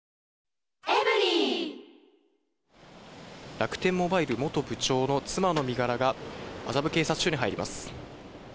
楽天モバイル元部長の妻の身柄が、麻布警察署に入ります。